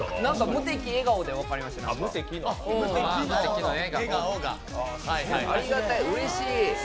無敵、笑顔で分かりましたねありがたい、うれしい。